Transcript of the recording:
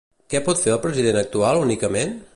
Què pot fer el president actual únicament?